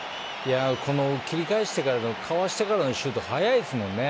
切り返してかわしてからのシュートが早いですもんね。